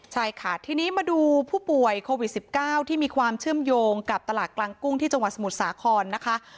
ใช่ค่ะทีนี้มาดูผู้ป่วยโควิด๑๙ที่มีความเชื่อมโยงกับตลาดกลางกุ้งที่จังหวัดสมุทรสาครนะคะ